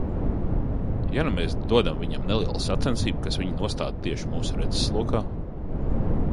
Ja nu mēs dodam viņam nelielu sacensību, kas viņu nostāda tieši mūsu redzeslokā?